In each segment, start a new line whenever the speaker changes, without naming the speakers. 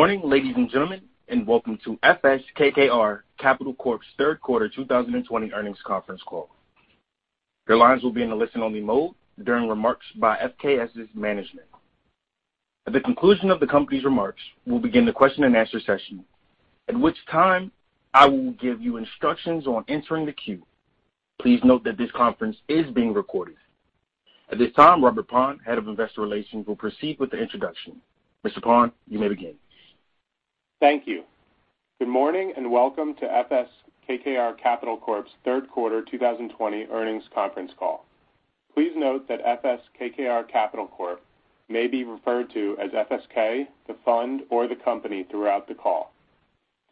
Good morning, ladies and gentlemen, and welcome to FS KKR Capital Corp's third quarter 2020 earnings conference call. Your lines will be in a listen-only mode during remarks by FSK's management. At the conclusion of the company's remarks, we'll begin the question-and-answer session, at which time I will give you instructions on entering the queue. Please note that this conference is being recorded. At this time, Robert Paun, Head of Investor Relations, will proceed with the introduction. Mr. Paun, you may begin.
Thank you. Good morning and welcome to FS KKR Capital Corp's third quarter 2020 earnings conference call. Please note that FS KKR Capital Corp may be referred to as FSK, the fund, or the company throughout the call.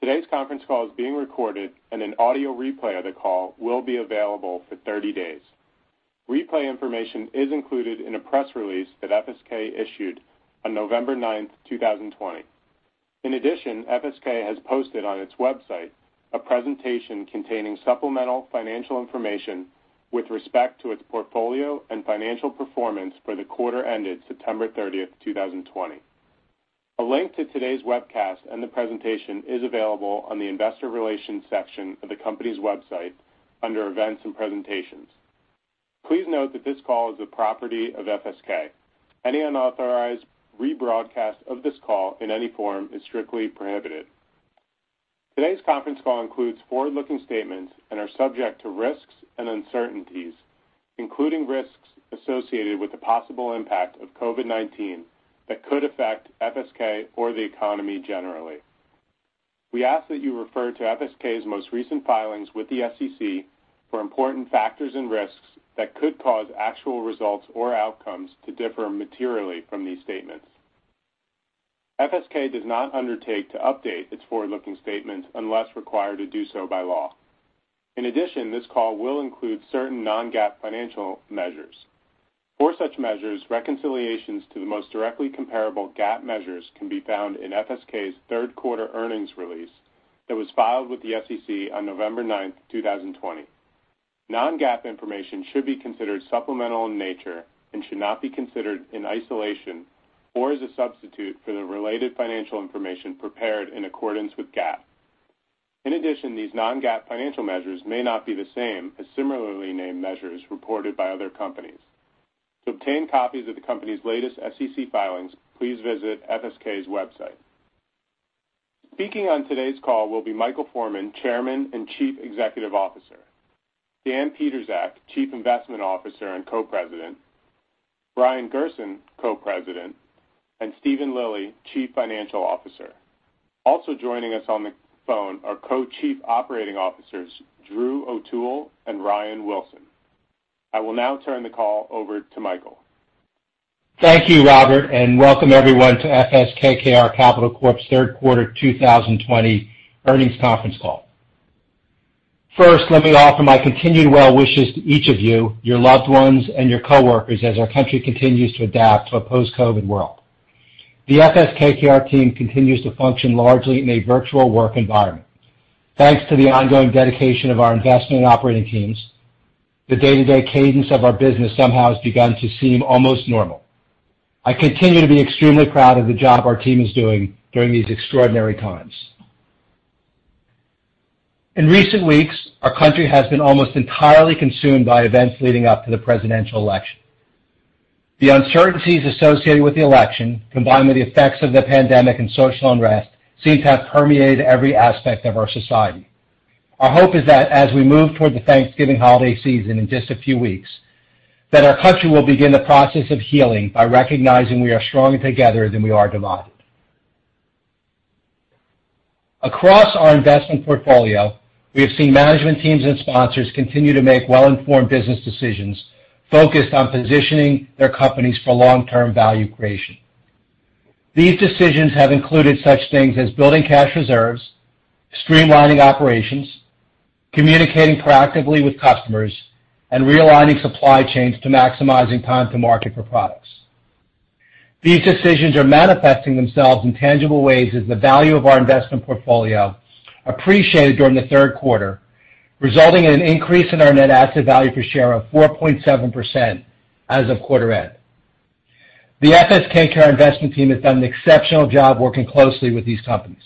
Today's conference call is being recorded, and an audio replay of the call will be available for 30 days. Replay information is included in a press release that FSK issued on November 9th, 2020. In addition, FSK has posted on its website a presentation containing supplemental financial information with respect to its portfolio and financial performance for the quarter ended September 30th, 2020. A link to today's webcast and the presentation is available on the investor relations section of the company's website under events and presentations. Please note that this call is the property of FSK. Any unauthorized rebroadcast of this call in any form is strictly prohibited. Today's conference call includes forward-looking statements and are subject to risks and uncertainties, including risks associated with the possible impact of COVID-19 that could affect FSK or the economy generally. We ask that you refer to FSK's most recent filings with the SEC for important factors and risks that could cause actual results or outcomes to differ materially from these statements. FSK does not undertake to update its forward-looking statements unless required to do so by law. In addition, this call will include certain non-GAAP financial measures. For such measures, reconciliations to the most directly comparable GAAP measures can be found in FSK's third quarter earnings release that was filed with the SEC on November 9th, 2020. Non-GAAP information should be considered supplemental in nature and should not be considered in isolation or as a substitute for the related financial information prepared in accordance with GAAP. In addition, these non-GAAP financial measures may not be the same as similarly named measures reported by other companies. To obtain copies of the company's latest SEC filings, please visit FSK's website. Speaking on today's call will be Michael Forman, Chairman and Chief Executive Officer, Dan Pietrzak, Chief Investment Officer and Co-President, Brian Gerson, Co-President, and Steven Lilly, Chief Financial Officer. Also joining us on the phone are Co-Chief Operating Officers Drew O'Toole and Ryan Wilson. I will now turn the call over to Michael.
Thank you, Robert, and welcome everyone to FS KKR Capital Corp's third quarter 2020 earnings conference call. First, let me offer my continued well wishes to each of you, your loved ones, and your co-workers as our country continues to adapt to a post-COVID world. The FS KKR team continues to function largely in a virtual work environment. Thanks to the ongoing dedication of our investment and operating teams, the day-to-day cadence of our business somehow has begun to seem almost normal. I continue to be extremely proud of the job our team is doing during these extraordinary times. In recent weeks, our country has been almost entirely consumed by events leading up to the presidential election. The uncertainties associated with the election, combined with the effects of the pandemic and social unrest, seem to have permeated every aspect of our society. Our hope is that as we move toward the Thanksgiving holiday season in just a few weeks, our country will begin the process of healing by recognizing we are stronger together than we are divided. Across our investment portfolio, we have seen management teams and sponsors continue to make well-informed business decisions focused on positioning their companies for long-term value creation. These decisions have included such things as building cash reserves, streamlining operations, communicating proactively with customers, and realigning supply chains to maximize time to market for products. These decisions are manifesting themselves in tangible ways as the value of our investment portfolio appreciated during the third quarter, resulting in an increase in our net asset value per share of 4.7% as of quarter end. The FS KKR investment team has done an exceptional job working closely with these companies.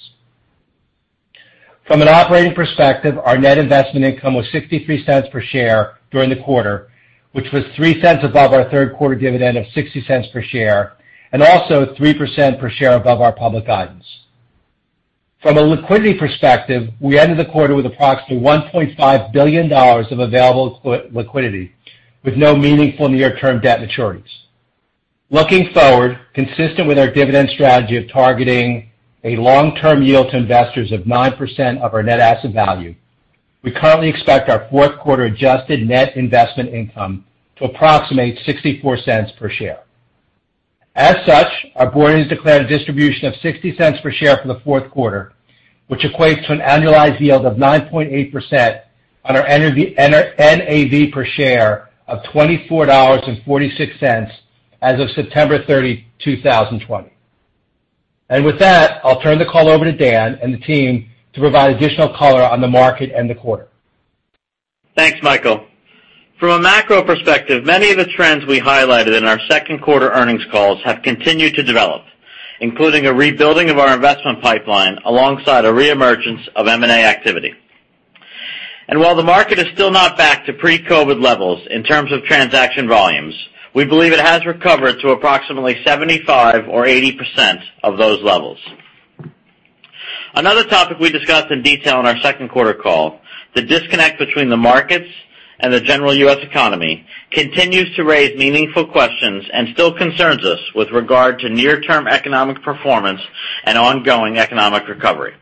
From an operating perspective, our net investment income was $0.63 per share during the quarter, which was $0.03 above our third quarter dividend of $0.60 per share and also 3% per share above our public guidance. From a liquidity perspective, we ended the quarter with approximately $1.5 billion of available liquidity, with no meaningful near-term debt maturities. Looking forward, consistent with our dividend strategy of targeting a long-term yield to investors of 9% of our net asset value, we currently expect our fourth quarter adjusted net investment income to approximate $0.64 per share. As such, our board has declared a distribution of $0.60 per share for the fourth quarter, which equates to an annualized yield of 9.8% on our NAV per share of $24.46 as of September 30, 2020. With that, I'll turn the call over to Dan and the team to provide additional color on the market and the quarter.
Thanks, Michael. From a macro perspective, many of the trends we highlighted in our second quarter earnings calls have continued to develop, including a rebuilding of our investment pipeline alongside a reemergence of M&A activity. And while the market is still not back to pre-COVID levels in terms of transaction volumes, we believe it has recovered to approximately 75 or 80% of those levels. Another topic we discussed in detail in our second quarter call, the disconnect between the markets and the general U.S. economy, continues to raise meaningful questions and still concerns us with regard to near-term economic performance and ongoing economic recovery.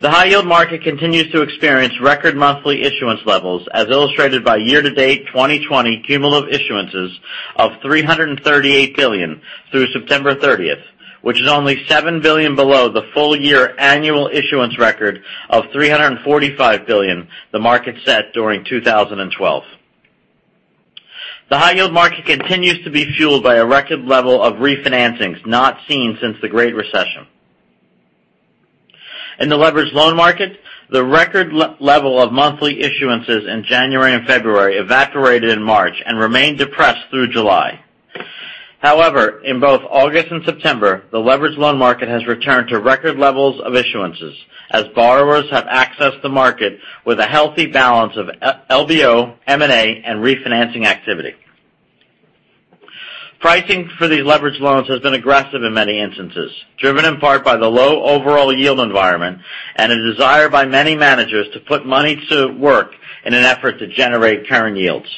The high-yield market continues to experience record monthly issuance levels, as illustrated by year-to-date 2020 cumulative issuances of $338 billion through September 30th, which is only $7 billion below the full-year annual issuance record of $345 billion the market set during 2012. The high-yield market continues to be fueled by a record level of refinancings not seen since the Great Recession. In the leveraged loan market, the record level of monthly issuances in January and February evaporated in March and remained depressed through July. However, in both August and September, the leveraged loan market has returned to record levels of issuances as borrowers have accessed the market with a healthy balance of LBO, M&A, and refinancing activity. Pricing for these leveraged loans has been aggressive in many instances, driven in part by the low overall yield environment and a desire by many managers to put money to work in an effort to generate current yields.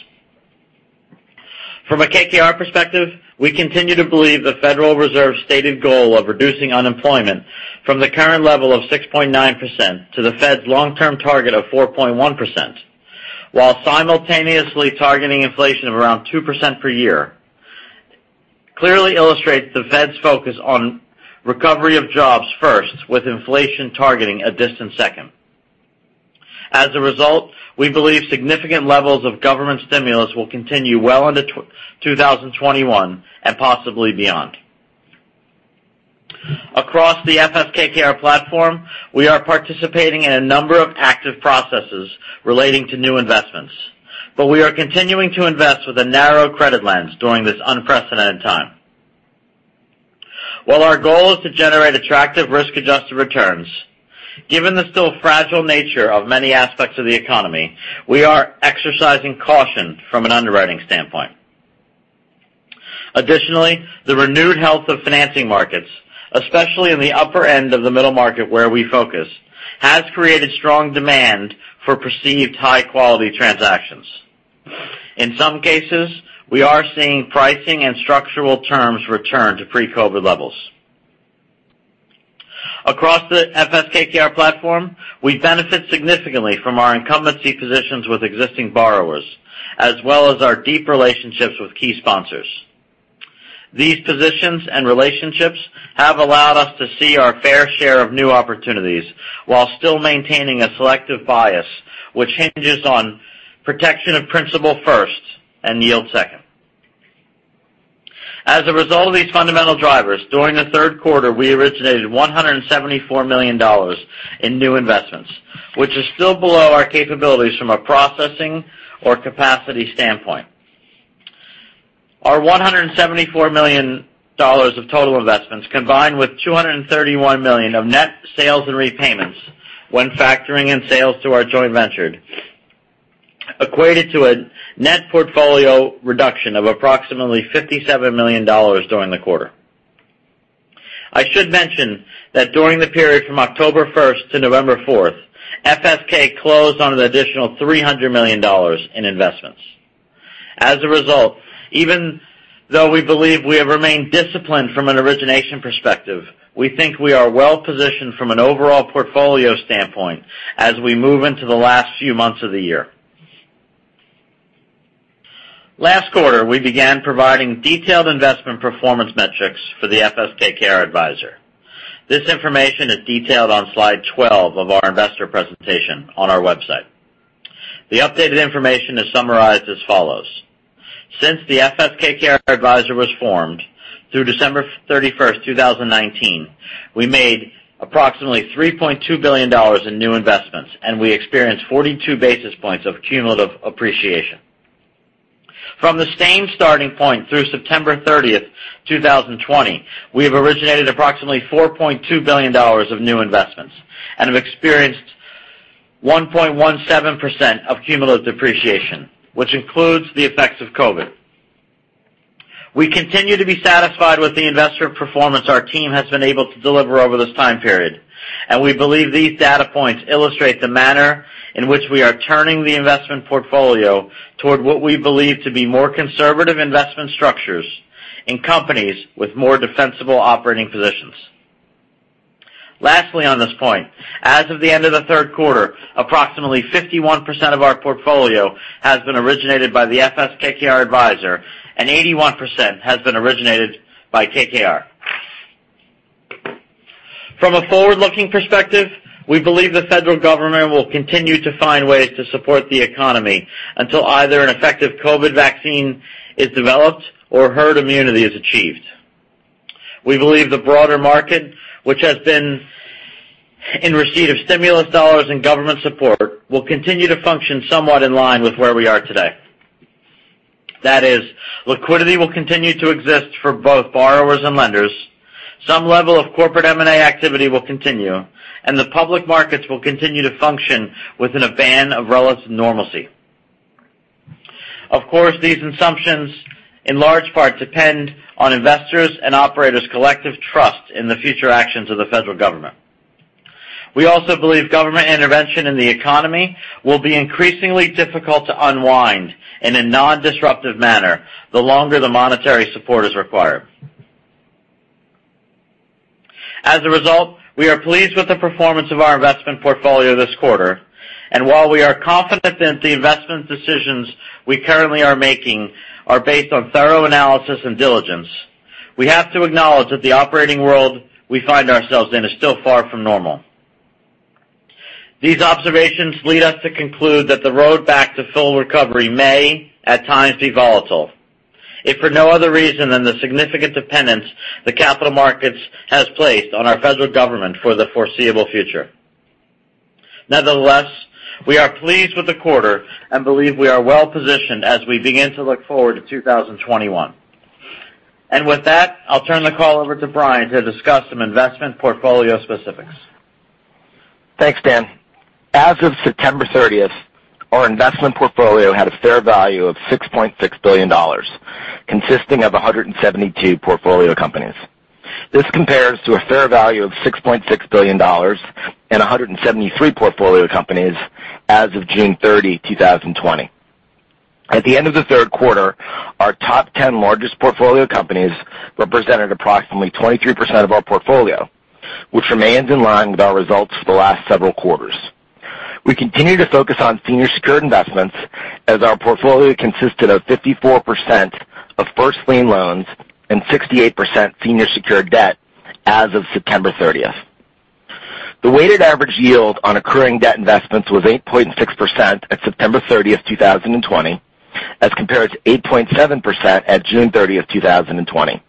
From a KKR perspective, we continue to believe the Federal Reserve's stated goal of reducing unemployment from the current level of 6.9% to the Fed's long-term target of 4.1%, while simultaneously targeting inflation of around 2% per year, clearly illustrates the Fed's focus on recovery of jobs first, with inflation targeting a distant second. As a result, we believe significant levels of government stimulus will continue well into 2021 and possibly beyond. Across the FS KKR platform, we are participating in a number of active processes relating to new investments, but we are continuing to invest with a narrow credit lens during this unprecedented time. While our goal is to generate attractive risk-adjusted returns, given the still fragile nature of many aspects of the economy, we are exercising caution from an underwriting standpoint. Additionally, the renewed health of financing markets, especially in the upper end of the middle market where we focus, has created strong demand for perceived high-quality transactions. In some cases, we are seeing pricing and structural terms return to pre-COVID levels. Across the FS KKR platform, we benefit significantly from our incumbency positions with existing borrowers, as well as our deep relationships with key sponsors. These positions and relationships have allowed us to see our fair share of new opportunities while still maintaining a selective bias, which hinges on protection of principal first and yield second. As a result of these fundamental drivers, during the third quarter, we originated $174 million in new investments, which is still below our capabilities from a processing or capacity standpoint. Our $174 million of total investments, combined with $231 million of net sales and repayments when factoring in sales to our joint venture, equated to a net portfolio reduction of approximately $57 million during the quarter. I should mention that during the period from October 1st to November 4th, FSK closed on an additional $300 million in investments. As a result, even though we believe we have remained disciplined from an origination perspective, we think we are well positioned from an overall portfolio standpoint as we move into the last few months of the year. Last quarter, we began providing detailed investment performance metrics for the FS KKR Advisor. This information is detailed on slide 12 of our investor presentation on our website. The updated information is summarized as follows: Since the FS KKR Advisor was formed through December 31st, 2019, we made approximately $3.2 billion in new investments, and we experienced 42 basis points of cumulative appreciation. From the same starting point through September 30th, 2020, we have originated approximately $4.2 billion of new investments and have experienced 1.17% of cumulative depreciation, which includes the effects of COVID. We continue to be satisfied with the investor performance our team has been able to deliver over this time period, and we believe these data points illustrate the manner in which we are turning the investment portfolio toward what we believe to be more conservative investment structures in companies with more defensible operating positions. Lastly, on this point, as of the end of the third quarter, approximately 51% of our portfolio has been originated by the FS KKR Advisor, and 81% has been originated by KKR. From a forward-looking perspective, we believe the federal government will continue to find ways to support the economy until either an effective COVID vaccine is developed or herd immunity is achieved. We believe the broader market, which has been in receipt of stimulus dollars and government support, will continue to function somewhat in line with where we are today. That is, liquidity will continue to exist for both borrowers and lenders, some level of corporate M&A activity will continue, and the public markets will continue to function within a band of relative normalcy. Of course, these assumptions in large part depend on investors' and operators' collective trust in the future actions of the federal government. We also believe government intervention in the economy will be increasingly difficult to unwind in a non-disruptive manner the longer the monetary support is required. As a result, we are pleased with the performance of our investment portfolio this quarter, and while we are confident that the investment decisions we currently are making are based on thorough analysis and diligence, we have to acknowledge that the operating world we find ourselves in is still far from normal. These observations lead us to conclude that the road back to full recovery may, at times, be volatile, if for no other reason than the significant dependence the capital markets have placed on our federal government for the foreseeable future. Nevertheless, we are pleased with the quarter and believe we are well positioned as we begin to look forward to 2021. With that, I'll turn the call over to Brian to discuss some investment portfolio specifics.
Thanks, Dan. As of September 30th, our investment portfolio had a fair value of $6.6 billion, consisting of 172 portfolio companies. This compares to a fair value of $6.6 billion and 173 portfolio companies as of June 30, 2020. At the end of the third quarter, our top 10 largest portfolio companies represented approximately 23% of our portfolio, which remains in line with our results for the last several quarters. We continue to focus on senior secured investments, as our portfolio consisted of 54% of first lien loans and 68% senior secured debt as of September 30th. The weighted average yield on accruing debt investments was 8.6% at September 30th, 2020, as compared to 8.7% at June 30th, 2020.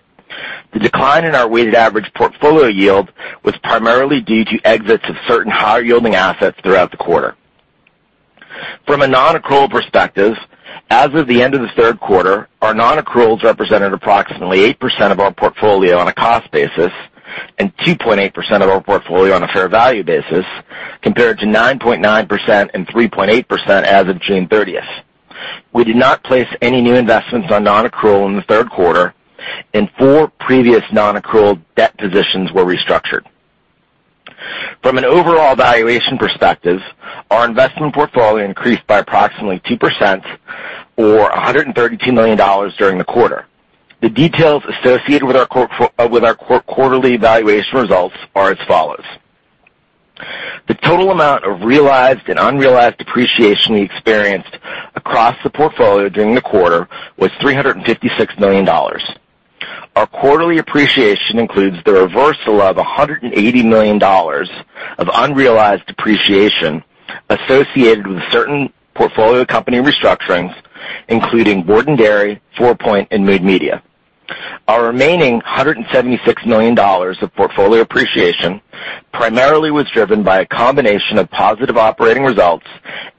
The decline in our weighted average portfolio yield was primarily due to exits of certain higher-yielding assets throughout the quarter. From a non-accrual perspective, as of the end of the third quarter, our non-accruals represented approximately 8% of our portfolio on a cost basis and 2.8% of our portfolio on a fair value basis, compared to 9.9% and 3.8% as of June 30th. We did not place any new investments on non-accrual in the third quarter, and four previous non-accrual debt positions were restructured. From an overall valuation perspective, our investment portfolio increased by approximately 2% or $132 million during the quarter. The details associated with our quarterly valuation results are as follows. The total amount of realized and unrealized depreciation we experienced across the portfolio during the quarter was $356 million. Our quarterly appreciation includes the reversal of $180 million of unrealized depreciation associated with certain portfolio company restructurings, including Borden Dairy Company, FourPoint Energy, and Mood Media. Our remaining $176 million of portfolio appreciation primarily was driven by a combination of positive operating results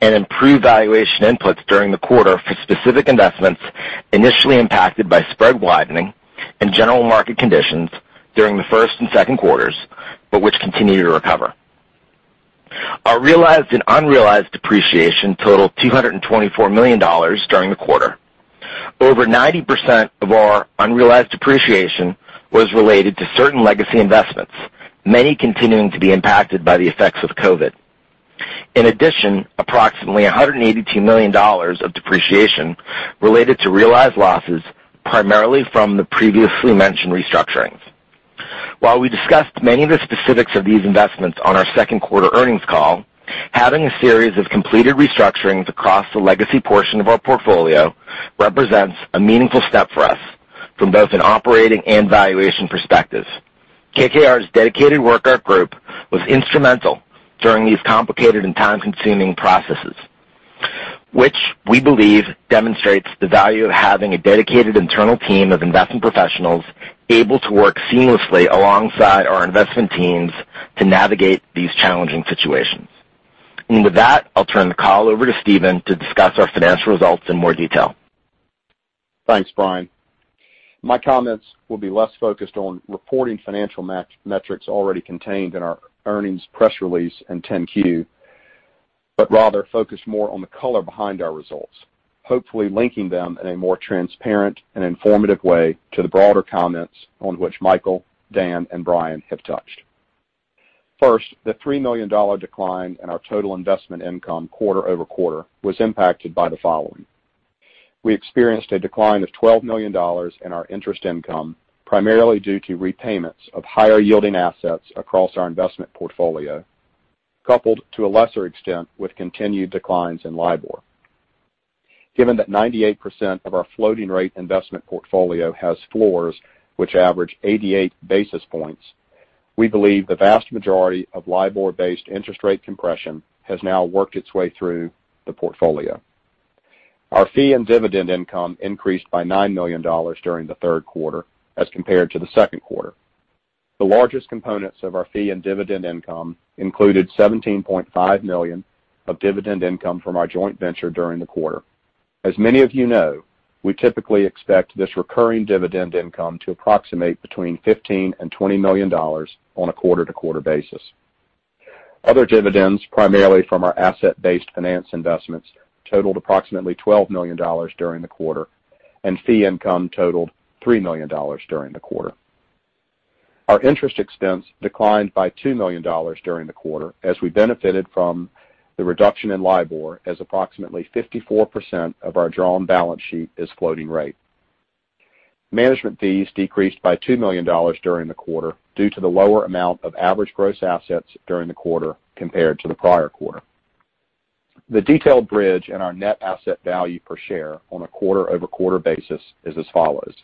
and improved valuation inputs during the quarter for specific investments initially impacted by spread widening and general market conditions during the first and second quarters, but which continued to recover. Our realized and unrealized depreciation totaled $224 million during the quarter. Over 90% of our unrealized depreciation was related to certain legacy investments, many continuing to be impacted by the effects of COVID. In addition, approximately $182 million of depreciation related to realized losses, primarily from the previously mentioned restructurings. While we discussed many of the specifics of these investments on our second quarter earnings call, having a series of completed restructurings across the legacy portion of our portfolio represents a meaningful step for us from both an operating and valuation perspective. KKR's dedicated worker group was instrumental during these complicated and time-consuming processes, which we believe demonstrates the value of having a dedicated internal team of investment professionals able to work seamlessly alongside our investment teams to navigate these challenging situations. And with that, I'll turn the call over to Steven to discuss our financial results in more detail.
Thanks, Brian. My comments will be less focused on reporting financial metrics already contained in our earnings press release and 10Q, but rather focus more on the color behind our results, hopefully linking them in a more transparent and informative way to the broader comments on which Michael, Dan, and Brian have touched. First, the $3 million decline in our total investment income quarter-over-quarter was impacted by the following. We experienced a decline of $12 million in our interest income, primarily due to repayments of higher-yielding assets across our investment portfolio, coupled to a lesser extent with continued declines in LIBOR. Given that 98% of our floating-rate investment portfolio has floors which average 88 basis points, we believe the vast majority of LIBOR-based interest rate compression has now worked its way through the portfolio. Our fee and dividend income increased by $9 million during the third quarter as compared to the second quarter. The largest components of our fee and dividend income included $17.5 million of dividend income from our joint venture during the quarter. As many of you know, we typically expect this recurring dividend income to approximate between $15 and $20 million on a quarter-to-quarter basis. Other dividends, primarily from our asset-based finance investments, totaled approximately $12 million during the quarter, and fee income totaled $3 million during the quarter. Our interest expense declined by $2 million during the quarter, as we benefited from the reduction in LIBOR, as approximately 54% of our drawn balance sheet is floating rate. Management fees decreased by $2 million during the quarter due to the lower amount of average gross assets during the quarter compared to the prior quarter. The detailed bridge in our net asset value per share on a quarter-over-quarter basis is as follows.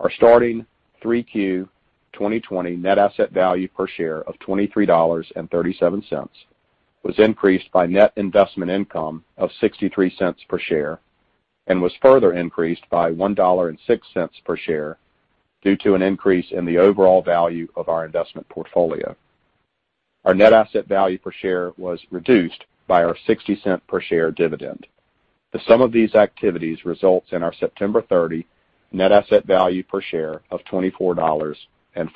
Our starting 3Q 2020 net asset value per share of $23.37 was increased by net investment income of $0.63 per share and was further increased by $1.06 per share due to an increase in the overall value of our investment portfolio. Our net asset value per share was reduced by our $0.60 per share dividend. The sum of these activities results in our September 30 net asset value per share of $24.46. From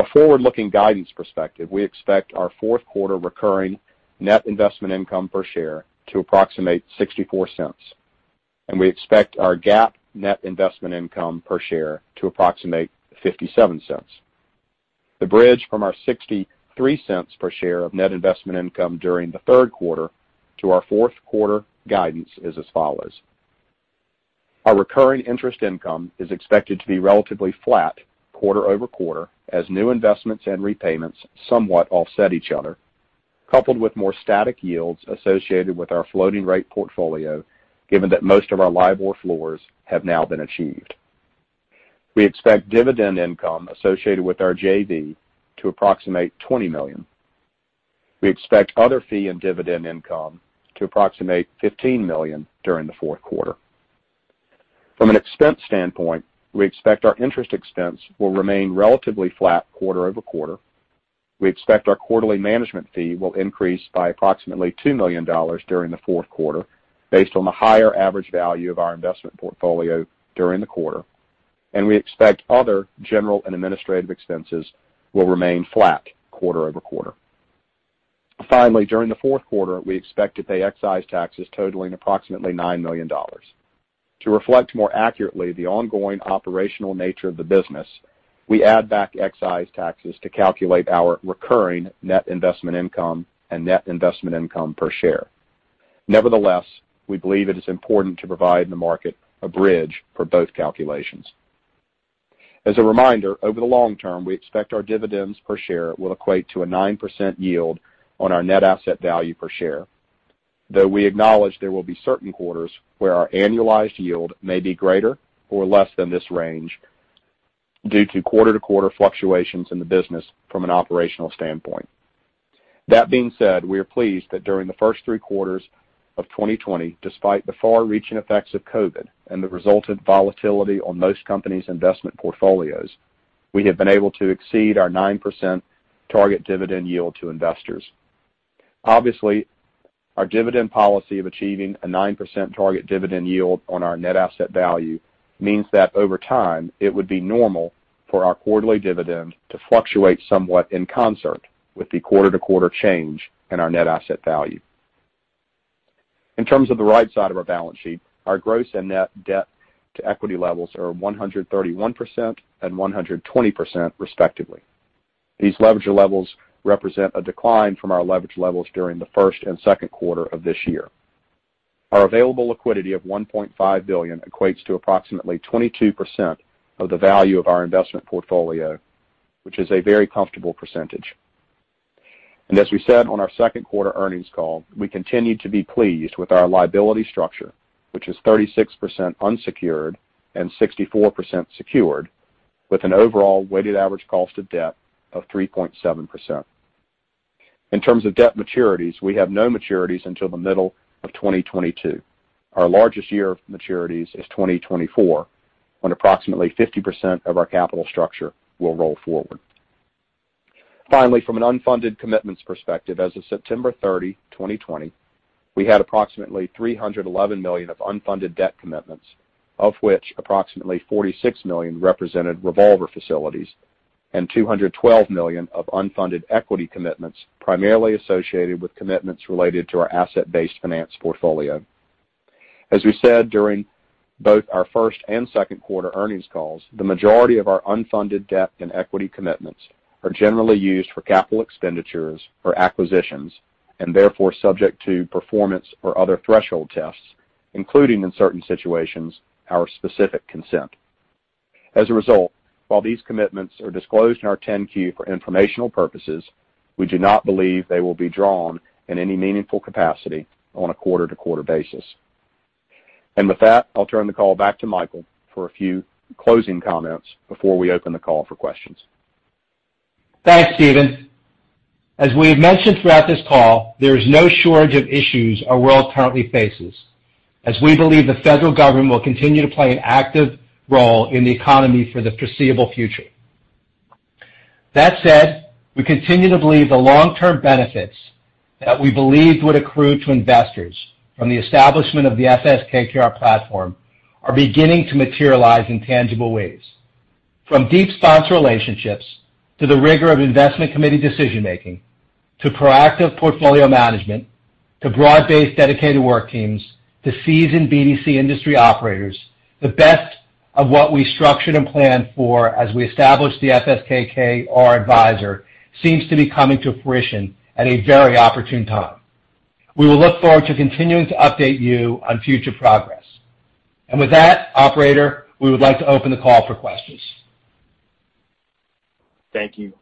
a forward-looking guidance perspective, we expect our fourth quarter recurring net investment income per share to approximate $0.64, and we expect our GAAP net investment income per share to approximate $0.57. The bridge from our $0.63 per share of net investment income during the third quarter to our fourth quarter guidance is as follows. Our recurring interest income is expected to be relatively flat quarter-over-quarter, as new investments and repayments somewhat offset each other, coupled with more static yields associated with our floating-rate portfolio, given that most of our LIBOR floors have now been achieved. We expect dividend income associated with our JV to approximate $20 million. We expect other fee and dividend income to approximate $15 million during the fourth quarter. From an expense standpoint, we expect our interest expense will remain relatively flat quarter-over-quarter. We expect our quarterly management fee will increase by approximately $2 million during the fourth quarter, based on the higher average value of our investment portfolio during the quarter, and we expect other general and administrative expenses will remain flat quarter-over-quarter. Finally, during the fourth quarter, we expect to pay excise taxes totaling approximately $9 million. To reflect more accurately the ongoing operational nature of the business, we add back excise taxes to calculate our recurring net investment income and net investment income per share. Nevertheless, we believe it is important to provide the market a bridge for both calculations. As a reminder, over the long term, we expect our dividends per share will equate to a 9% yield on our net asset value per share, though we acknowledge there will be certain quarters where our annualized yield may be greater or less than this range due to quarter-to-quarter fluctuations in the business from an operational standpoint. That being said, we are pleased that during the first three quarters of 2020, despite the far-reaching effects of COVID and the resultant volatility on most companies' investment portfolios, we have been able to exceed our 9% target dividend yield to investors. Obviously, our dividend policy of achieving a 9% target dividend yield on our net asset value means that over time, it would be normal for our quarterly dividend to fluctuate somewhat in concert with the quarter-to-quarter change in our net asset value. In terms of the right side of our balance sheet, our gross and net debt to equity levels are 131% and 120%, respectively. These leverage levels represent a decline from our leverage levels during the first and second quarter of this year. Our available liquidity of $1.5 billion equates to approximately 22% of the value of our investment portfolio, which is a very comfortable percentage. As we said on our second quarter earnings call, we continue to be pleased with our liability structure, which is 36% unsecured and 64% secured, with an overall weighted average cost of debt of 3.7%. In terms of debt maturities, we have no maturities until the middle of 2022. Our largest year of maturities is 2024, when approximately 50% of our capital structure will roll forward. Finally, from an unfunded commitments perspective, as of September 30, 2020, we had approximately $311 million of unfunded debt commitments, of which approximately $46 million represented revolver facilities and $212 million of unfunded equity commitments, primarily associated with commitments related to our asset-based finance portfolio. As we said during both our first and second quarter earnings calls, the majority of our unfunded debt and equity commitments are generally used for capital expenditures or acquisitions and therefore subject to performance or other threshold tests, including, in certain situations, our specific consent. As a result, while these commitments are disclosed in our 10-Q for informational purposes, we do not believe they will be drawn in any meaningful capacity on a quarter-to-quarter basis. And with that, I'll turn the call back to Michael for a few closing comments before we open the call for questions.
Thanks, Steven. As we have mentioned throughout this call, there is no shortage of issues our world currently faces, as we believe the federal government will continue to play an active role in the economy for the foreseeable future. That said, we continue to believe the long-term benefits that we believed would accrue to investors from the establishment of the FS KKR platform are beginning to materialize in tangible ways. From deep sponsor relationships to the rigor of investment committee decision-making to proactive portfolio management to broad-based dedicated work teams to seasoned BDC industry operators, the best of what we structured and planned for as we established the FS KKR Advisor seems to be coming to fruition at a very opportune time. We will look forward to continuing to update you on future progress. And with that, Operator, we would like to open the call for questions.
Thank you.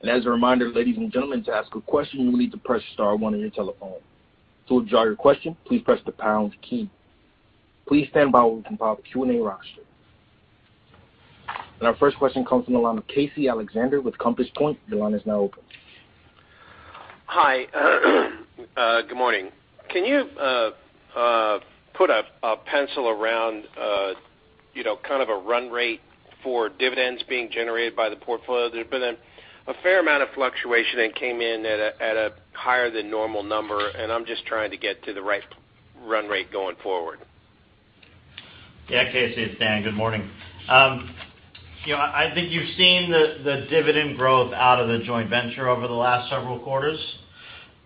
And as a reminder, ladies and gentlemen, to ask a question, you will need to press star one on your telephone. To withdraw your question, please press the pound key. Please stand by while we compile the Q&A roster. And our first question comes from the line of Casey Alexander with Compass Point. The line is now open.
Hi. Good morning. Can you put a pencil around kind of a run rate for dividends being generated by the portfolio? There's been a fair amount of fluctuation that came in at a higher than normal number, and I'm just trying to get to the right run rate going forward.
Yeah, Casey, it's Dan. Good morning. I think you've seen the dividend growth out of the joint venture over the last several quarters.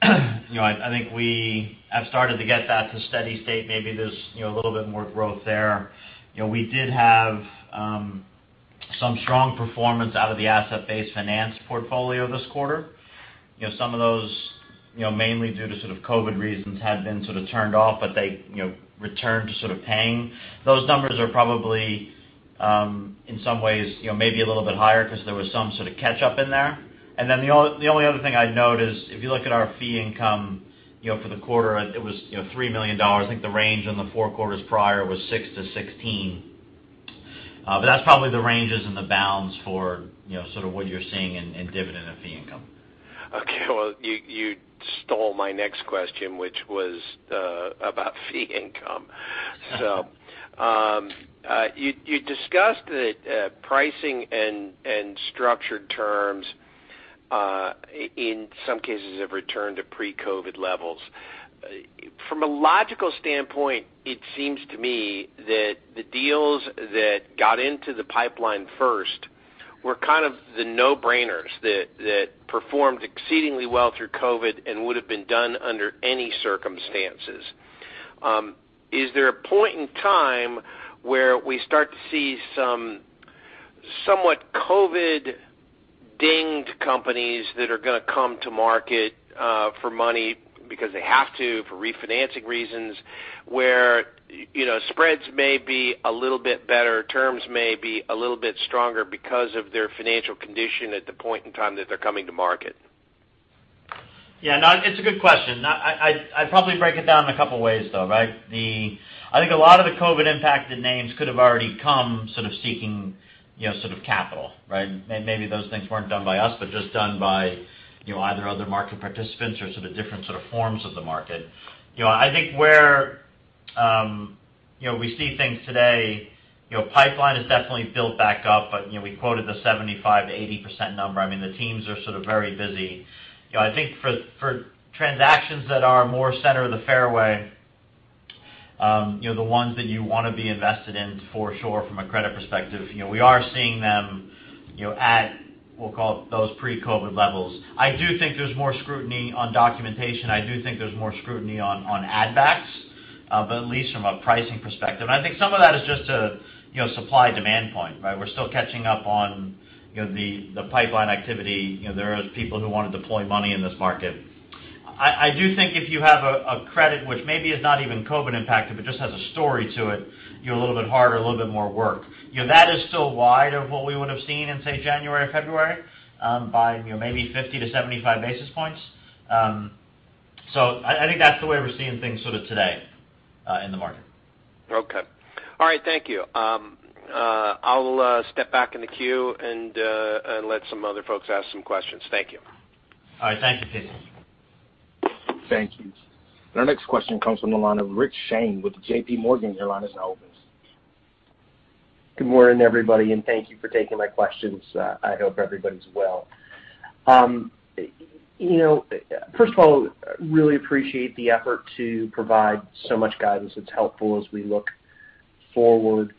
I think we have started to get that to steady state. Maybe there's a little bit more growth there. We did have some strong performance out of the asset-based finance portfolio this quarter. Some of those, mainly due to sort of COVID reasons, had been sort of turned off, but they returned to sort of paying. Those numbers are probably, in some ways, maybe a little bit higher because there was some sort of catch-up in there. And then the only other thing I'd note is, if you look at our fee income for the quarter, it was $3 million. I think the range in the four quarters prior was 6-16. But that's probably the ranges in the bounds for sort of what you're seeing in dividend and fee income.
Okay. Well, you stole my next question, which was about fee income. So you discussed that pricing and structured terms, in some cases, have returned to pre-COVID levels. From a logical standpoint, it seems to me that the deals that got into the pipeline first were kind of the no-brainers that performed exceedingly well through COVID and would have been done under any circumstances. Is there a point in time where we start to see some somewhat COVID-dinged companies that are going to come to market for money because they have to, for refinancing reasons, where spreads may be a little bit better, terms may be a little bit stronger because of their financial condition at the point in time that they're coming to market?
Yeah. No, it's a good question. I'd probably break it down in a couple of ways, though, right? I think a lot of the COVID-impacted names could have already come sort of seeking sort of capital, right? Maybe those things weren't done by us, but just done by either other market participants or sort of different sort of forms of the market. I think where we see things today, pipeline is definitely built back up, but we quoted the 75%-80% number. I mean, the teams are sort of very busy. I think for transactions that are more center of the fairway, the ones that you want to be invested in for sure from a credit perspective, we are seeing them at, we'll call it, those pre-COVID levels. I do think there's more scrutiny on documentation. I do think there's more scrutiny on add-backs, but at least from a pricing perspective, and I think some of that is just a supply-demand point, right? We're still catching up on the pipeline activity. There are people who want to deploy money in this market. I do think if you have a credit, which maybe is not even COVID-impacted, but just has a story to it, a little bit harder, a little bit more work, that is still wide of what we would have seen in, say, January or February by maybe 50-75 basis points, so I think that's the way we're seeing things sort of today in the market.
Okay. All right. Thank you. I'll step back in the queue and let some other folks ask some questions. Thank you.
All right. Thank you, Casey.
Thank you. And our next question comes from the line of Rich Shane with JPMorgan. Your line is now open.
Good morning, everybody, and thank you for taking my questions. I hope everybody's well. First of all, really appreciate the effort to provide so much guidance. It's helpful as we look forward.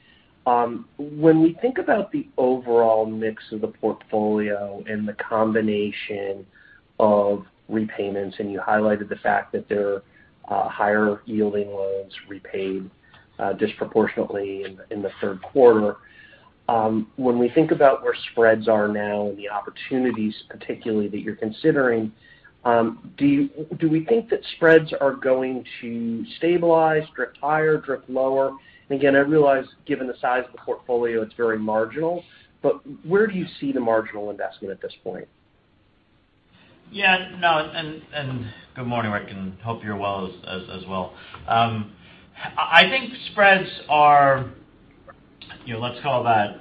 When we think about the overall mix of the portfolio and the combination of repayments, and you highlighted the fact that there are higher-yielding loans repaid disproportionately in the third quarter, when we think about where spreads are now and the opportunities, particularly, that you're considering, do we think that spreads are going to stabilize, drift higher, drift lower? And again, I realize, given the size of the portfolio, it's very marginal, but where do you see the marginal investment at this point?
Yeah. No, and good morning, Rich, and hope you're well as well. I think spreads are, let's call that,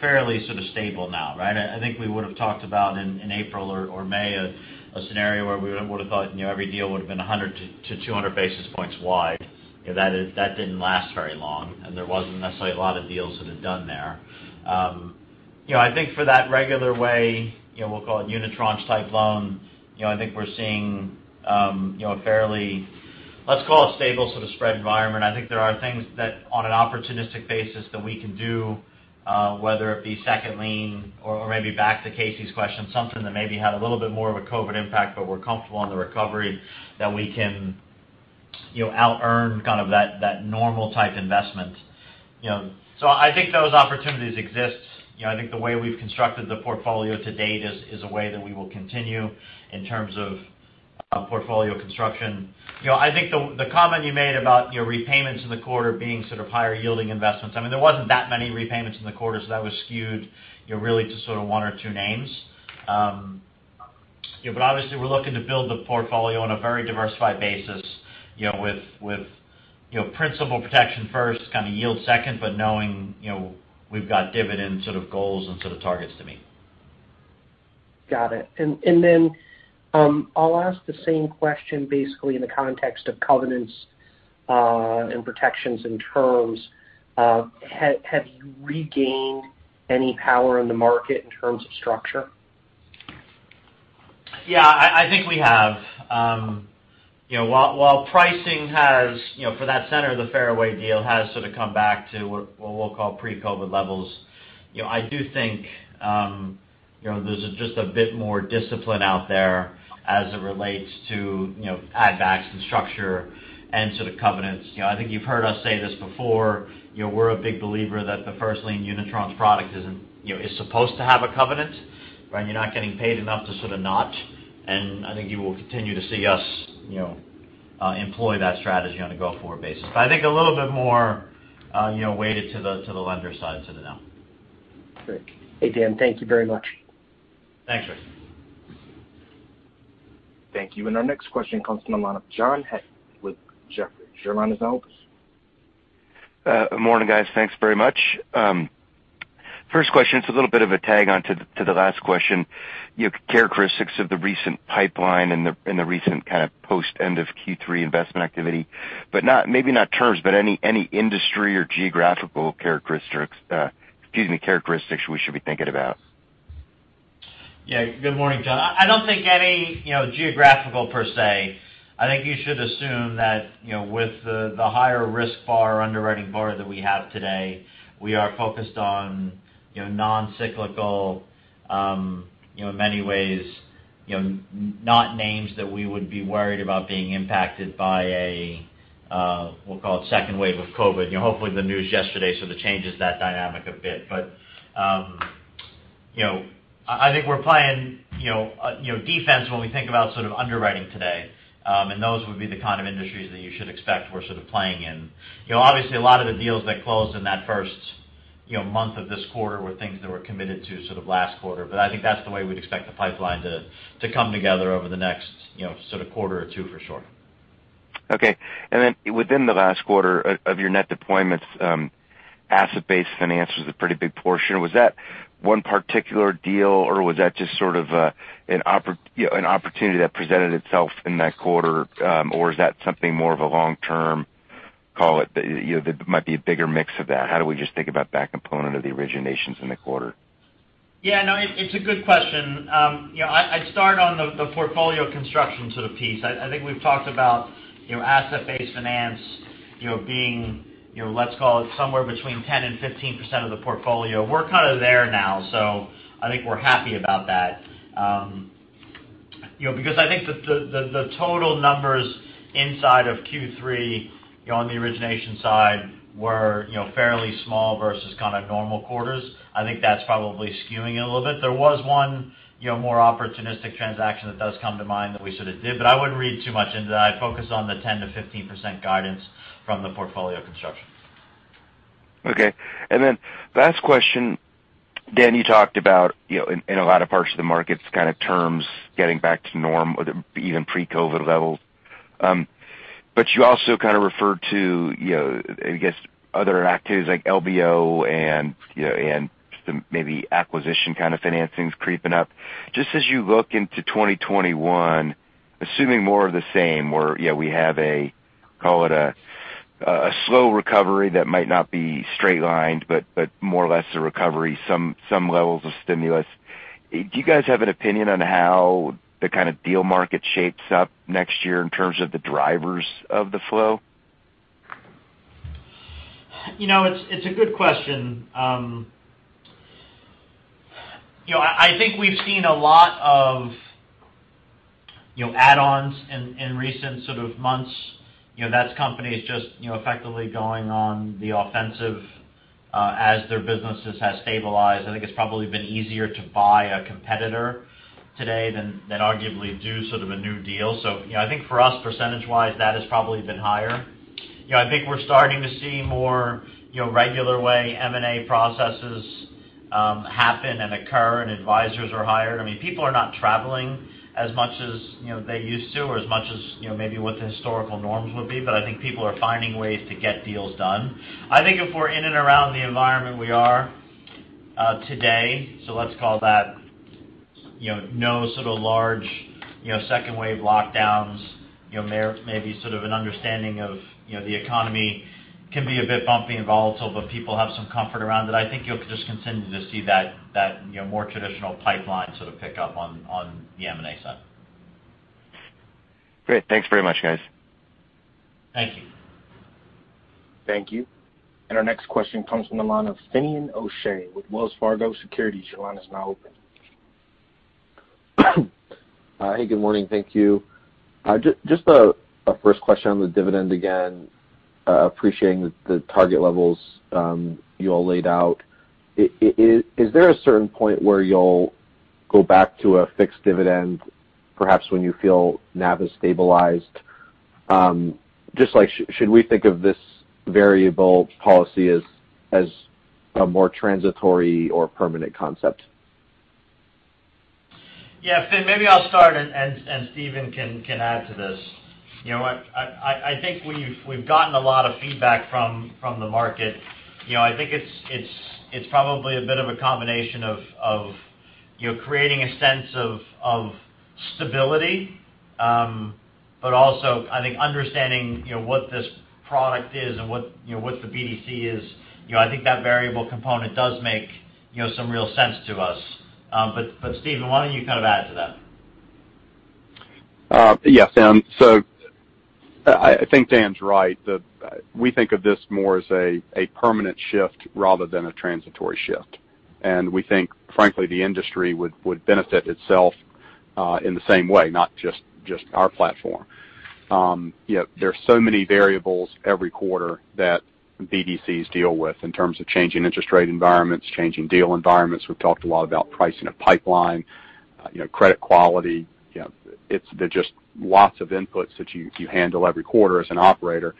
fairly sort of stable now, right? I think we would have talked about in April or May a scenario where we would have thought every deal would have been 100-200 basis points wide. That didn't last very long, and there wasn't necessarily a lot of deals that had done there. I think for that regular way, we'll call it unitranche-type loan, I think we're seeing a fairly, let's call it stable sort of spread environment. I think there are things that, on an opportunistic basis, that we can do, whether it be second lien or maybe back to Casey's question, something that maybe had a little bit more of a COVID impact, but we're comfortable on the recovery, that we can out-earn kind of that normal-type investment. So I think those opportunities exist. I think the way we've constructed the portfolio to date is a way that we will continue in terms of portfolio construction. I think the comment you made about repayments in the quarter being sort of higher-yielding investments, I mean, there wasn't that many repayments in the quarter, so that was skewed really to sort of one or two names. But obviously, we're looking to build the portfolio on a very diversified basis with principal protection first, kind of yield second, but knowing we've got dividend sort of goals and sort of targets to meet.
Got it. And then I'll ask the same question, basically, in the context of covenants and protections and terms. Have you regained any power in the market in terms of structure?
Yeah. I think we have. While pricing has, for that center of the fairway deal, has sort of come back to what we'll call pre-COVID levels, I do think there's just a bit more discipline out there as it relates to add-backs and structure and sort of covenants. I think you've heard us say this before. We're a big believer that the first lien unitranche product is supposed to have a covenant, right? You're not getting paid enough to sort of not. And I think you will continue to see us employ that strategy on a go-forward basis. But I think a little bit more weighted to the lender side sort of now.
Great. Hey, Dan, thank you very much.
Thanks, Rick.
Thank you. And our next question comes from the line of John Hecht with Jefferies. Your line is now open.
Good morning, guys. Thanks very much. First question, it's a little bit of a tag on to the last question. Characteristics of the recent pipeline and the recent kind of post-end of Q3 investment activity, but maybe not terms, but any industry or geographical characteristics we should be thinking about.
Yeah. Good morning, John. I don't think any geographical per se. I think you should assume that with the higher risk bar, underwriting bar that we have today, we are focused on non-cyclical, in many ways, not names that we would be worried about being impacted by a, we'll call it, second wave of COVID. Hopefully, the news yesterday sort of changes that dynamic a bit. But I think we're playing defense when we think about sort of underwriting today. And those would be the kind of industries that you should expect we're sort of playing in. Obviously, a lot of the deals that closed in that first month of this quarter were things that were committed to sort of last quarter. But I think that's the way we'd expect the pipeline to come together over the next sort of quarter or two, for sure.
Okay. And then within the last quarter of your net deployments, asset-based finance was a pretty big portion. Was that one particular deal, or was that just sort of an opportunity that presented itself in that quarter, or is that something more of a long-term, call it, that might be a bigger mix of that? How do we just think about that component of the originations in the quarter?
Yeah. No, it's a good question. I'd start on the portfolio construction sort of piece. I think we've talked about asset-based finance being, let's call it, somewhere between 10%-15% of the portfolio. We're kind of there now, so I think we're happy about that. Because I think the total numbers inside of Q3 on the origination side were fairly small versus kind of normal quarters. I think that's probably skewing it a little bit. There was one more opportunistic transaction that does come to mind that we sort of did, but I wouldn't read too much into that. I'd focus on the 10%-15% guidance from the portfolio construction.
Okay. And then last question, Dan, you talked about, in a lot of parts of the market, kind of terms getting back to normal, even pre-COVID levels. But you also kind of referred to, I guess, other activities like LBO and maybe acquisition kind of financings creeping up. Just as you look into 2021, assuming more of the same, where we have a, call it, a slow recovery that might not be straight-lined, but more or less a recovery, some levels of stimulus, do you guys have an opinion on how the kind of deal market shapes up next year in terms of the drivers of the flow?
It's a good question. I think we've seen a lot of add-ons in recent sort of months. That's companies just effectively going on the offensive as their businesses have stabilized. I think it's probably been easier to buy a competitor today than arguably do sort of a new deal. So I think for us, percentage-wise, that has probably been higher. I think we're starting to see more regular way M&A processes happen and occur, and advisors are hired. I mean, people are not traveling as much as they used to or as much as maybe what the historical norms would be, but I think people are finding ways to get deals done. I think if we're in and around the environment we are today, so let's call that no sort of large second wave lockdowns, maybe sort of an understanding of the economy can be a bit bumpy and volatile, but people have some comfort around it. I think you'll just continue to see that more traditional pipeline sort of pick up on the M&A side.
Great. Thanks very much, guys.
Thank you.
Thank you. And our next question comes from the line of Finian O'Shea with Wells Fargo Securities. Your line is now open.
Hey, good morning. Thank you. Just a first question on the dividend again. Appreciating the target levels you all laid out. Is there a certain point where you'll go back to a fixed dividend, perhaps when you feel now that's stabilized? Just should we think of this variable policy as a more transitory or permanent concept?
Yeah. Finian, maybe I'll start, and Steven can add to this. You know what? I think we've gotten a lot of feedback from the market. I think it's probably a bit of a combination of creating a sense of stability, but also I think understanding what this product is and what the BDC is. I think that variable component does make some real sense to us. But Steven, why don't you kind of add to that?
Yes, Dan. So I think Dan's right. We think of this more as a permanent shift rather than a transitory shift. And we think, frankly, the industry would benefit itself in the same way, not just our platform. There are so many variables every quarter that BDCs deal with in terms of changing interest rate environments, changing deal environments. We've talked a lot about pricing of pipeline, credit quality. There are just lots of inputs that you handle every quarter as an operator.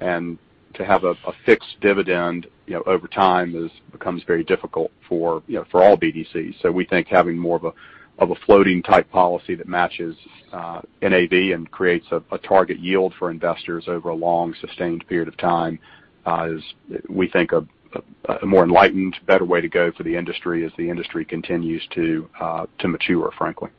And to have a fixed dividend over time becomes very difficult for all BDCs. So we think having more of a floating-type policy that matches NAV and creates a target yield for investors over a long sustained period of time is, we think, a more enlightened, better way to go for the industry as the industry continues to mature, frankly.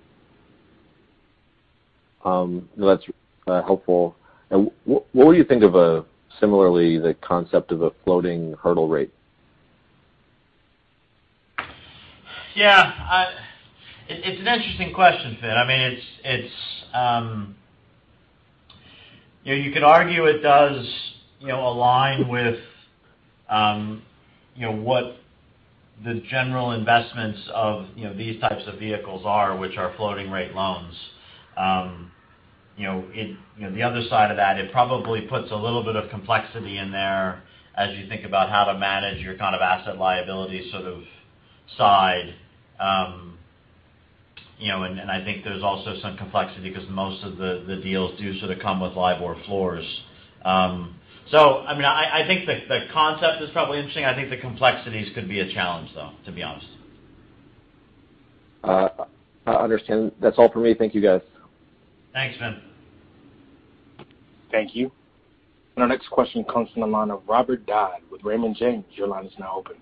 No, that's helpful. And what would you think of, similarly, the concept of a floating hurdle rate?
Yeah. It's an interesting question, Finn. I mean, you could argue it does align with what the general investments of these types of vehicles are, which are floating-rate loans. The other side of that, it probably puts a little bit of complexity in there as you think about how to manage your kind of asset liability sort of side. I think there's also some complexity because most of the deals do sort of come with LIBOR floors. So I mean, I think the concept is probably interesting. I think the complexities could be a challenge, though, to be honest.
Understand. That's all for me. Thank you, guys.
Thanks, Finn.
Thank you, and our next question comes from the line of Robert Dodd with Raymond James. Your line is now open.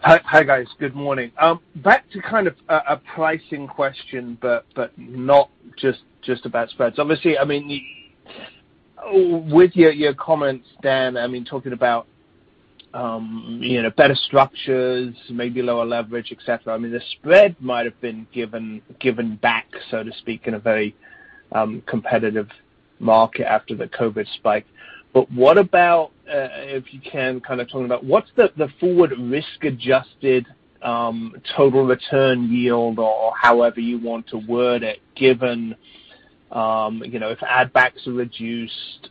Hi, guys. Good morning. Back to kind of a pricing question, but not just about spreads. Obviously, I mean, with your comments, Dan, I mean, talking about better structures, maybe lower leverage, etc., I mean, the spread might have been given back, so to speak, in a very competitive market after the COVID spike. But what about, if you can, kind of talking about what's the forward risk-adjusted total return yield or however you want to word it, given if add-backs are reduced,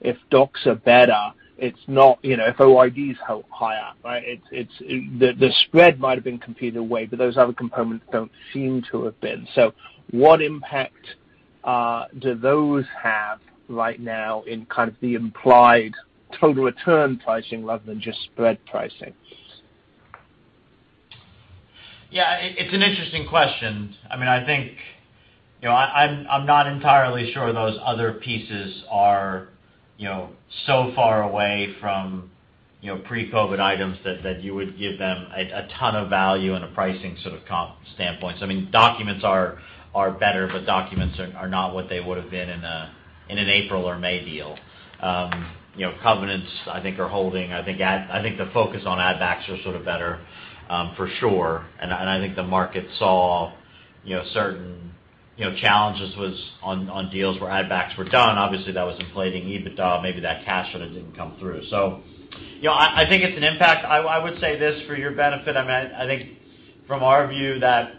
if docs are better, if OID is higher, right? The spread might have been given away, but those other components don't seem to have been. So what impact do those have right now in kind of the implied total return pricing rather than just spread pricing?
Yeah. It's an interesting question. I mean, I think I'm not entirely sure those other pieces are so far away from pre-COVID items that you would give them a ton of value and a pricing sort of standpoint. So I mean, documents are better, but documents are not what they would have been in an April or May deal. Covenants, I think, are holding. I think the focus on add-backs are sort of better, for sure. And I think the market saw certain challenges on deals where add-backs were done. Obviously, that was inflating EBITDA. Maybe that cash sort of didn't come through. So I think it's an impact. I would say this for your benefit. I mean, I think from our view that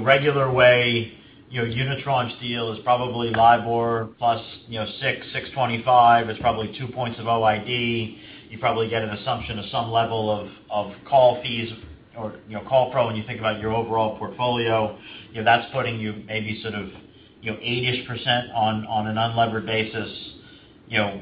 regular way unitranche deal is probably LIBOR plus 6.625. It's probably two points of OID. You probably get an assumption of some level of call fees or call pro when you think about your overall portfolio. That's putting you maybe sort of 80-ish% on an unlevered basis.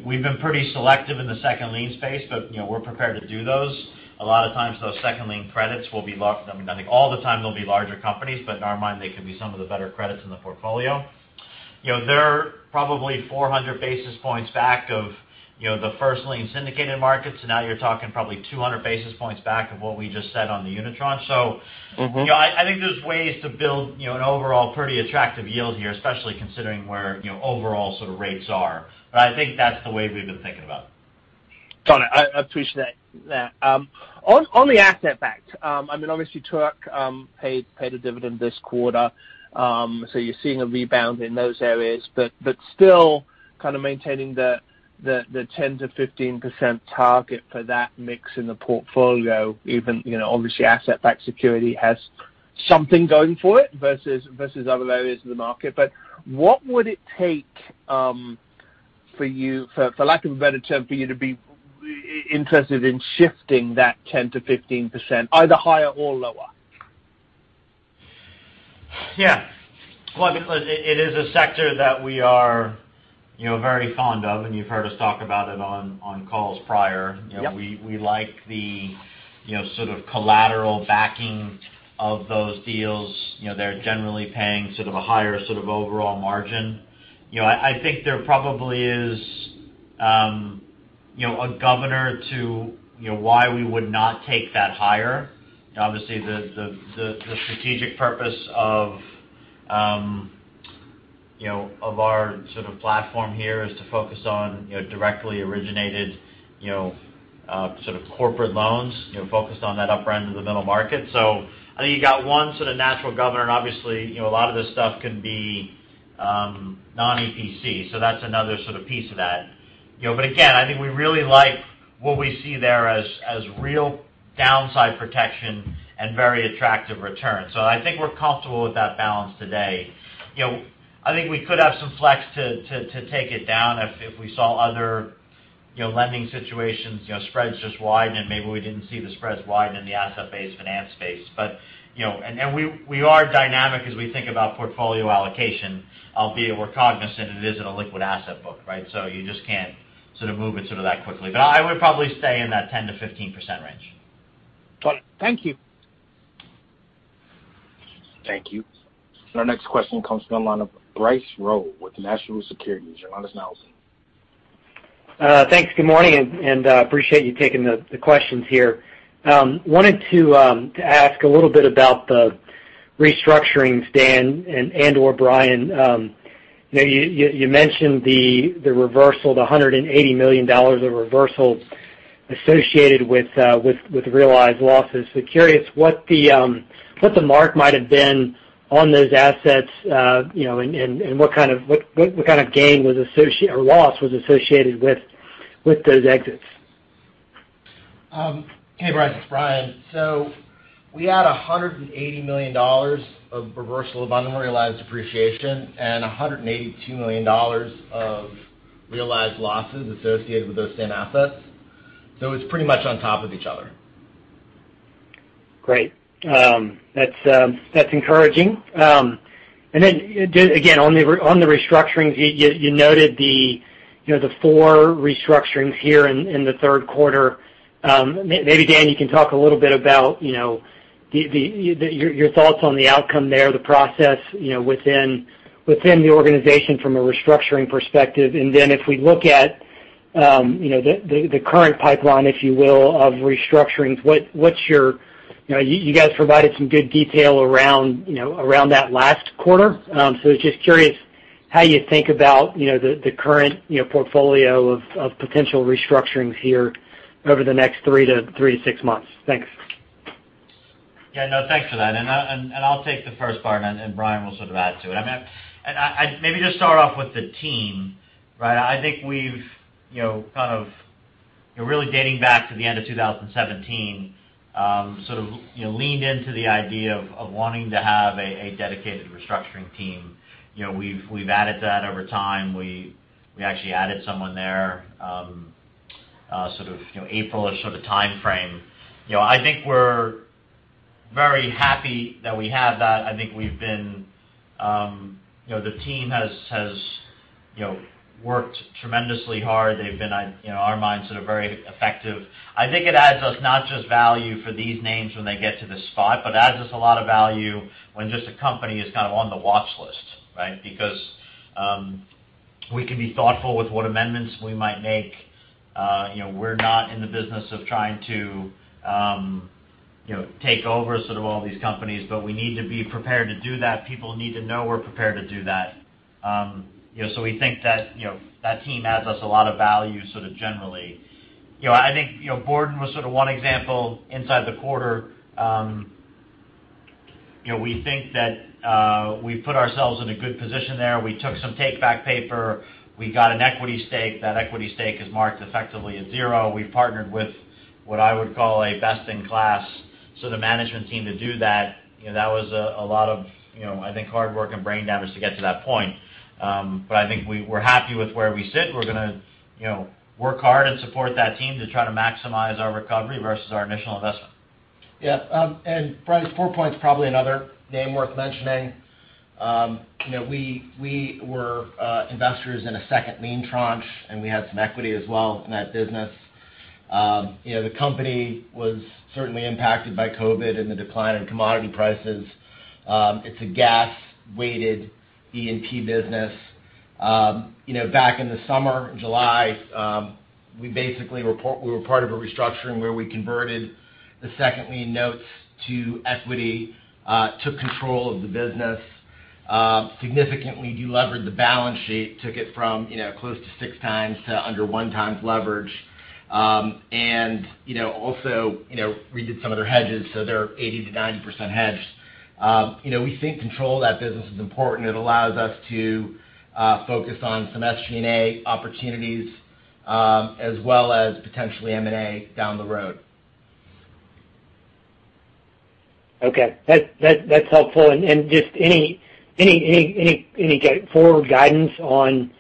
We've been pretty selective in the second lien space, but we're prepared to do those. A lot of times, those second lien credits will be all the time, they'll be larger companies, but in our mind, they can be some of the better credits in the portfolio. They're probably 400 basis points back of the first lien syndicated markets. So now you're talking probably 200 basis points back of what we just said on the unitranche. So I think there's ways to build an overall pretty attractive yield here, especially considering where overall sort of rates are. But I think that's the way we've been thinking about it.
Got it. I appreciate that. On the asset-backed, I mean, obviously, Toorak paid a dividend this quarter. So you're seeing a rebound in those areas, but still kind of maintaining the 10%-15% target for that mix in the portfolio, even obviously, asset-backed security has something going for it versus other areas of the market. But what would it take for you, for lack of a better term, for you to be interested in shifting that 10%-15%, either higher or lower?
Yeah. Well, I mean, it is a sector that we are very fond of, and you've heard us talk about it on calls prior. We like the sort of collateral backing of those deals. They're generally paying sort of a higher sort of overall margin. I think there probably is a governor to why we would not take that higher. Obviously, the strategic purpose of our sort of platform here is to focus on directly originated sort of corporate loans, focused on that upper end of the middle market. So I think you got one sort of natural governor. And obviously, a lot of this stuff can be non-EPC. So that's another sort of piece of that. But again, I think we really like what we see there as real downside protection and very attractive returns. So I think we're comfortable with that balance today. I think we could have some flex to take it down if we saw other lending situations. Spreads just widened, and maybe we didn't see the spreads widen in the asset-based finance space. And we are dynamic as we think about portfolio allocation, albeit we're cognizant it isn't a liquid asset book, right? So you just can't sort of move it sort of that quickly. But I would probably stay in that 10%-15% range.
Got it. Thank you.
Thank you. And our next question comes from the line of Bryce Rowe with National Securities. Your name is Nelson.
Thanks. Good morning, and I appreciate you taking the questions here. Wanted to ask a little bit about the restructuring, Dan, and/or Brian. You mentioned the reversal, the $180 million of reversal associated with realized losses. Curious what the mark might have been on those assets and what kind of gain or loss was associated with those exits.
Hey, Bryce. Brian, so we had $180 million of reversal of unrealized depreciation and $182 million of realized losses associated with those same assets. So it's pretty much on top of each other.
Great. That's encouraging. And then again, on the restructurings, you noted the four restructurings here in the third quarter. Maybe, Dan, you can talk a little bit about your thoughts on the outcome there, the process within the organization from a restructuring perspective. And then if we look at the current pipeline, if you will, of restructurings, what's your view, you guys provided some good detail around that last quarter. So I was just curious how you think about the current portfolio of potential restructurings here over the next three to six months. Thanks.
Yeah. No, thanks for that, and I'll take the first part, and Brian will sort of add to it. I mean, maybe just start off with the team, right? I think we've kind of really dating back to the end of 2017, sort of leaned into the idea of wanting to have a dedicated restructuring team. We've added to that over time. We actually added someone there sort of April or sort of time frame. I think we're very happy that we have that. I think we've been the team has worked tremendously hard. They've been, in our minds, sort of very effective. I think it adds us not just value for these names when they get to the spot, but it adds us a lot of value when just a company is kind of on the watch list, right? Because we can be thoughtful with what amendments we might make. We're not in the business of trying to take over sort of all these companies, but we need to be prepared to do that. People need to know we're prepared to do that. So we think that that team adds us a lot of value sort of generally. I think Borden was sort of one example inside the quarter. We think that we put ourselves in a good position there. We took some take-back paper. We got an equity stake. That equity stake is marked effectively at zero. We partnered with what I would call a best-in-class sort of management team to do that. That was a lot of, I think, hard work and brain damage to get to that point. But I think we're happy with where we sit. We're going to work hard and support that team to try to maximize our recovery versus our initial investment.
Yeah. And Bryce, FourPoint probably another name worth mentioning. We were investors in a second lien tranche, and we had some equity as well in that business. The company was certainly impacted by COVID and the decline in commodity prices. It's a gas-weighted E&P business. Back in the summer, in July, we basically were part of a restructuring where we converted the second lien notes to equity, took control of the business, significantly delevered the balance sheet, took it from close to six times to under one times leverage. And also, we did some of their hedges, so they're 80%-90% hedged. We think control of that business is important. It allows us to focus on some SG&A opportunities as well as potentially M&A down the road.
Okay. That's helpful. And just any forward guidance on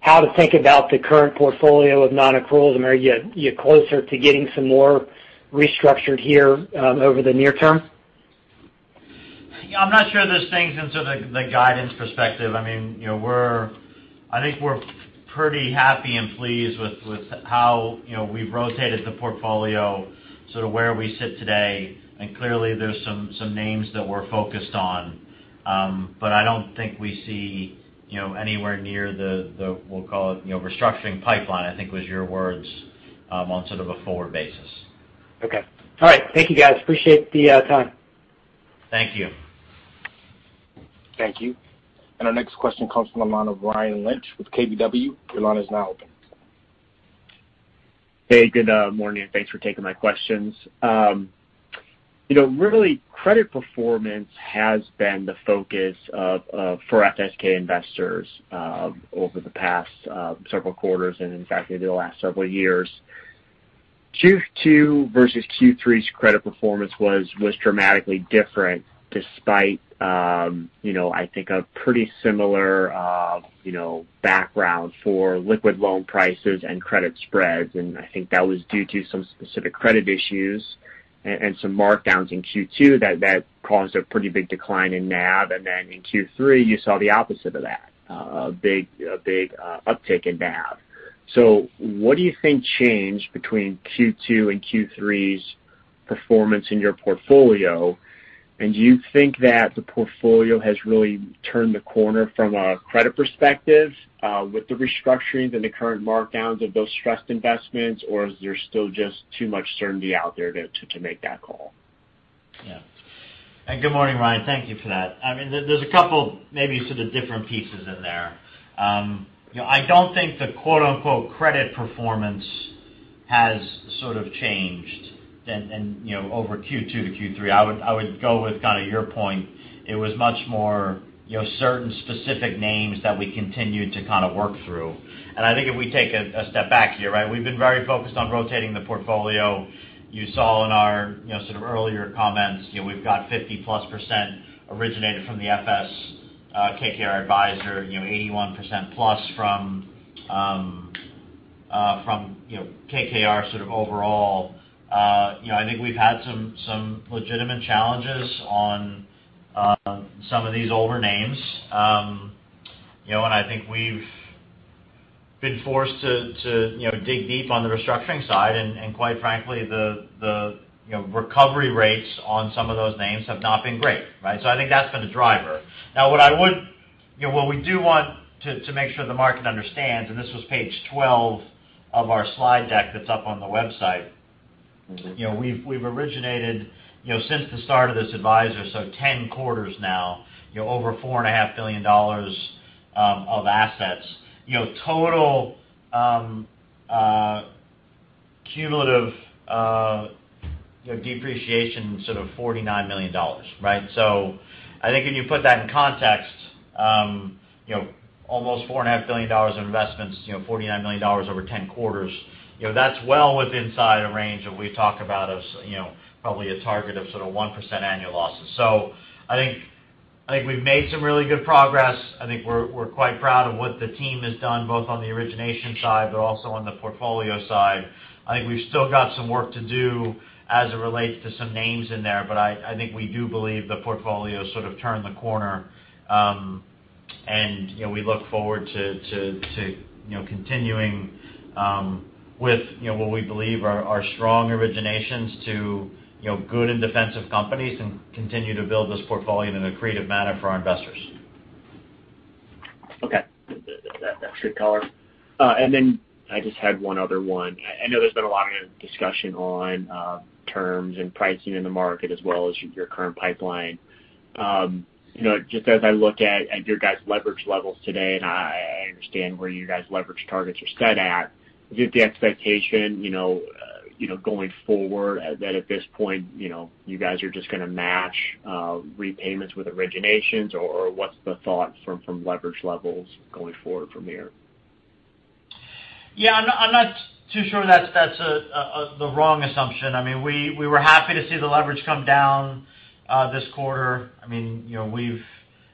how to think about the current portfolio of non-accruals? I mean, are you closer to getting some more restructured here over the near term?
Yeah. I'm not sure there's things in sort of the guidance perspective. I mean, I think we're pretty happy and pleased with how we've rotated the portfolio, sort of where we sit today. And clearly, there's some names that we're focused on. But I don't think we see anywhere near the, we'll call it, restructuring pipeline, I think was your words, on sort of a forward basis.
Okay. All right. Thank you, guys. Appreciate the time.
Thank you.
Thank you. And our next question comes from the line of Ryan Lynch with KBW. Your line is now open.
Hey, good morning. Thanks for taking my questions. Really, credit performance has been the focus for FSK investors over the past several quarters and, in fact, maybe the last several years. Q2 versus Q3's credit performance was dramatically different despite, I think, a pretty similar background for liquid loan prices and credit spreads. And I think that was due to some specific credit issues and some markdowns in Q2 that caused a pretty big decline in NAV. And then in Q3, you saw the opposite of that, a big uptick in NAV. So what do you think changed between Q2 and Q3's performance in your portfolio? And do you think that the portfolio has really turned the corner from a credit perspective with the restructurings and the current markdowns of those stressed investments, or is there still just too much uncertainty out there to make that call?
Yeah. Good morning, Ryan. Thank you for that. I mean, there's a couple maybe sort of different pieces in there. I don't think the quote-unquote "credit performance" has sort of changed over Q2 to Q3. I would go with kind of your point. It was much more certain specific names that we continued to kind of work through. And I think if we take a step back here, right? We've been very focused on rotating the portfolio. You saw in our sort of earlier comments, we've got 50-plus% originated from the FS KKR Advisor, 81% plus from KKR sort of overall. I think we've had some legitimate challenges on some of these older names. And I think we've been forced to dig deep on the restructuring side. And quite frankly, the recovery rates on some of those names have not been great, right? So I think that's been a driver. Now, what we do want to make sure the market understands, and this was page 12 of our slide deck that's up on the website, we've originated since the start of this advisor, so 10 quarters now, over $4.5 billion of assets, total cumulative depreciation sort of $49 million, right? So I think when you put that in context, almost $4.5 billion of investments, $49 million over 10 quarters, that's well within inside a range that we talk about as probably a target of sort of 1% annual losses. So I think we've made some really good progress. I think we're quite proud of what the team has done, both on the origination side but also on the portfolio side. I think we've still got some work to do as it relates to some names in there, but I think we do believe the portfolio sort of turned the corner, and we look forward to continuing with what we believe are strong originations to good and defensive companies and continue to build this portfolio in a creative manner for our investors.
Okay. That's good color. And then I just had one other one. I know there's been a lot of discussion on terms and pricing in the market as well as your current pipeline. Just as I look at your guys' leverage levels today, and I understand where you guys' leverage targets are set at, is it the expectation going forward that at this point, you guys are just going to match repayments with originations, or what's the thought from leverage levels going forward from here?
Yeah. I'm not too sure that's the wrong assumption. I mean, we were happy to see the leverage come down this quarter. I mean, we've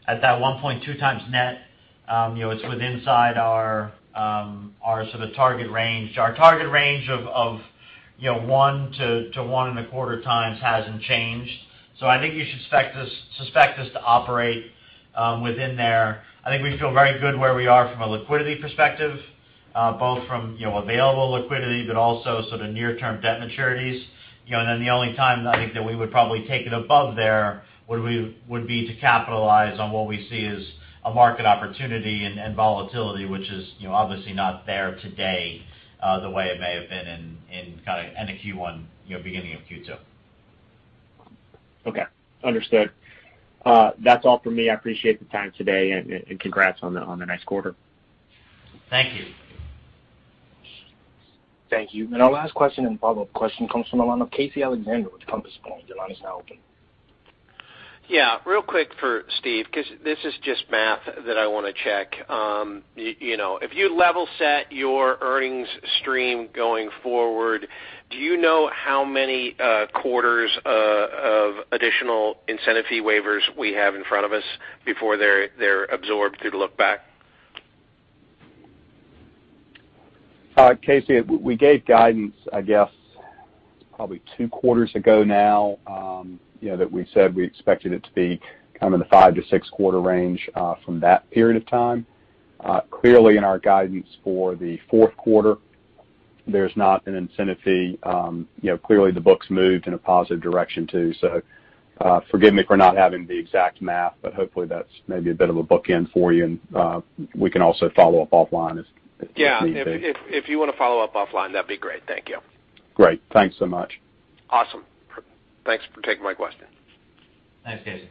at that 1.2 times net, it's within inside our sort of target range. Our target range of one to one and a quarter times hasn't changed. So I think you should expect us to operate within there. I think we feel very good where we are from a liquidity perspective, both from available liquidity but also sort of near-term debt maturities. And then the only time I think that we would probably take it above there would be to capitalize on what we see as a market opportunity and volatility, which is obviously not there today the way it may have been in kind of end of Q1, beginning of Q2.
Okay. Understood. That's all for me. I appreciate the time today, and congrats on the next quarter.
Thank you.
Thank you. And our last question and follow-up question comes from the line of Casey Alexander with Compass Point. Your line is now open.
Yeah. Real quick for Steve because this is just math that I want to check. If you level set your earnings stream going forward, do you know how many quarters of additional incentive fee waivers we have in front of us before they're absorbed through the lookback?
Casey, we gave guidance, I guess, probably two quarters ago now that we said we expected it to be kind of in the five to six quarter range from that period of time. Clearly, in our guidance for the fourth quarter, there's not an incentive fee. Clearly, the book's moved in a positive direction too. So forgive me for not having the exact math, but hopefully, that's maybe a bit of a bookend for you, and we can also follow up offline if need be.
Yeah. If you want to follow up offline, that'd be great. Thank you.
Great. Thanks so much.
Awesome. Thanks for taking my question.
Thanks, Casey.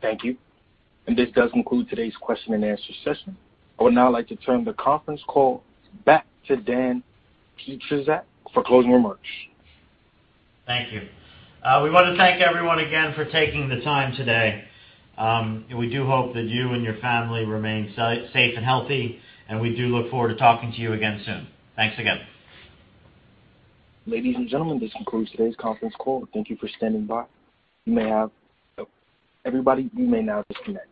Thank you. And this does conclude today's question and answer session. I would now like to turn the conference call back to Dan Pietrzak for closing remarks.
Thank you. We want to thank everyone again for taking the time today. We do hope that you and your family remain safe and healthy, and we do look forward to talking to you again soon. Thanks again.
Ladies and gentlemen, this concludes today's conference call. Thank you for standing by. You may have everybody. You may now disconnect.